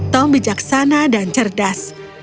tom bijaksana dan cerdas